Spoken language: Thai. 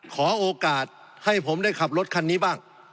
ขอโอกาสให้ผมได้ขับรถคันนี้บ้าง